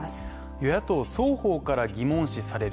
与野党双方から疑問視される